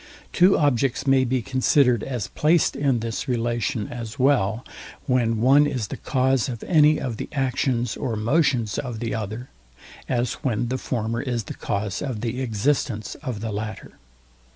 Two objects may be considered as placed in this relation, as well when one is the cause of any of the actions or motions of the other, as when the former is the cause of the existence of the latter.